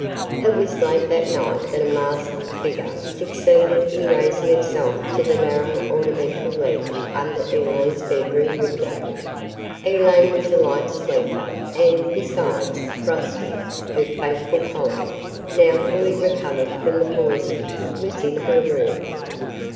........ It was late that night that a masked figure succeeded in raising itself to the narrow ornamental ledge under Elaine's bedroom window. Elaine was a light sleeper and, besides, Rusty, her faithful collie, now fully recovered from the poison, was in her room.